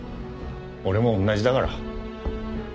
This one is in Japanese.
俺も同じだから。